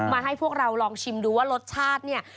ให้พวกเราลองชิมดูว่ารสชาติเนี่ย